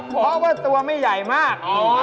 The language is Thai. เพราะว่าตัวไม่ใหญ่มาก